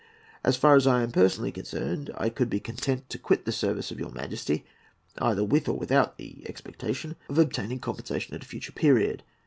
As far as I am personally concerned, I could be content to quit the service of your Imperial Majesty, either with or without the expectation of obtaining compensation at a future period.